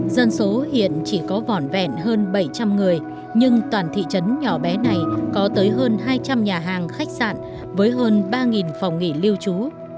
dân số hiện chỉ có vỏn vẹn hơn bảy trăm linh người nhưng toàn thị trấn nhỏ bé này có tới hơn hai trăm linh nhà hàng khách sạn với hơn ba phòng nghỉ lưu trú